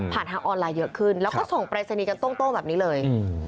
ทางออนไลน์เยอะขึ้นแล้วก็ส่งปรายศนีย์กันโต้งแบบนี้เลย